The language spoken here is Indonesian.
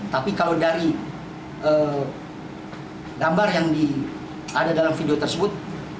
tapi kalau dari gambar yang ada dalam video tersebut